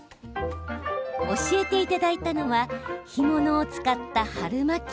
教えていただいたのは干物を使った春巻き。